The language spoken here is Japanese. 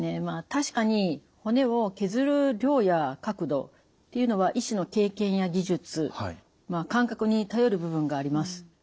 確かに骨を削る量や角度っていうのは医師の経験や技術感覚に頼る部分があります。